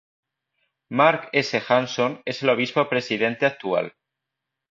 Mark S. Hanson es el obispo presidente actual.